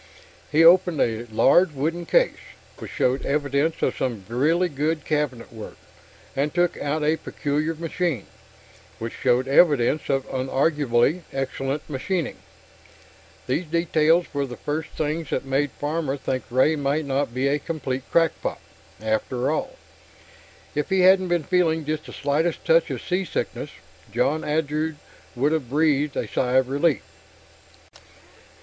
He opened a large wooden case, which showed evidence of some really good cabinet work, and took out a peculiar machine, which showed evidence of unarguably excellent machining. These details were the first things that made Farmer think Ray might not be a complete crackpot, after all. If he hadn't been feeling just the slightest touch of seasickness, John Andrew would have breathed a sigh of relief.